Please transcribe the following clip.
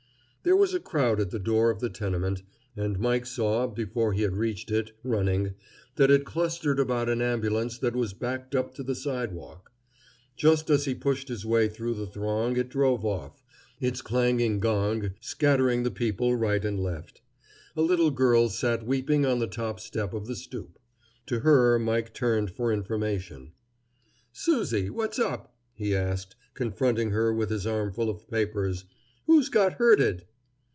There was a crowd at the door of the tenement, and Mike saw, before he had reached it, running, that it clustered about an ambulance that was backed up to the sidewalk. Just as he pushed his way through the throng it drove off, its clanging gong scattering the people right and left. A little girl sat weeping on the top step of the stoop. To her Mike turned for information. "Susie, what's up?" he asked, confronting her with his armful of papers. "Who's got hurted?"